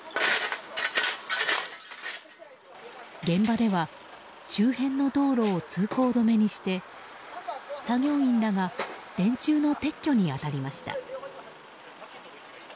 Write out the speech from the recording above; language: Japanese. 現場では周辺の道路を通行止めにして作業員らが電柱の撤去に当たりました。